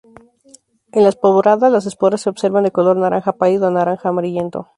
En la esporada, las esporas se observan de color naranja pálido a naranja amarillento.